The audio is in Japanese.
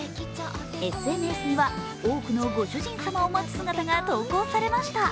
ＳＮＳには多くのご主人様を待つ姿が投稿されました。